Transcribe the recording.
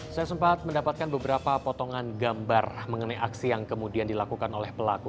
saya sempat mendapatkan beberapa potongan gambar mengenai aksi yang kemudian dilakukan oleh pelaku